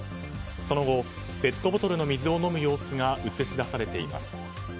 その後ペットボトルの水を飲む様子が映し出されています。